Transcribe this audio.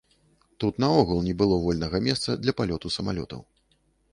Тут наогул не было вольнага месца для палёту самалётаў.